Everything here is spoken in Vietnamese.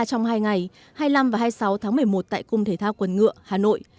trong hai ngày hai mươi năm và hai mươi sáu tháng một mươi một tại cung thể thao quần ngựa hà nội